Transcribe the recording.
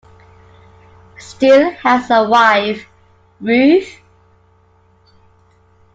Steele has a wife, Ruth.